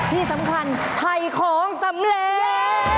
ที่สำคัญไถ่ของสำเร็จ